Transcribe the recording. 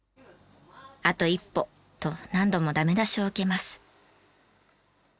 「あと一歩」と何度もダメ出しを受けます。